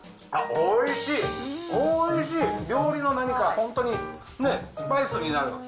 おいしい、料理の何か、本当にね、スパイスになる。